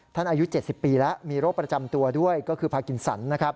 อายุ๗๐ปีแล้วมีโรคประจำตัวด้วยก็คือพากินสันนะครับ